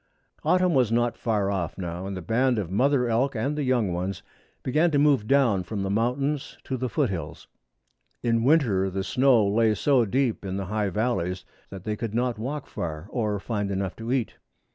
Autumn was not far off now, and the band of mother elk and young ones began to move down from the mountains to the foot hills. In winter the snow lay so deep in the high valleys that they could not walk far or find enough to eat.